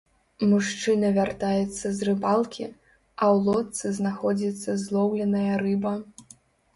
Мужчына вяртаецца з рыбалкі, а ў лодцы знаходзіцца злоўленая рыба.